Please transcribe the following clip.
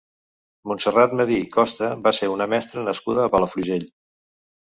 Montserrat Medir Costa va ser una mestra nascuda a Palafrugell.